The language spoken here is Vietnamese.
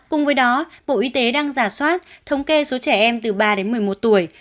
cùng với đó bộ y tế đang giả soát thống kê số trẻ em từ ba đến một mươi một tuổi